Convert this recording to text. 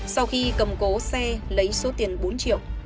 sau khi cầm cố xe lấy số tiền bốn triệu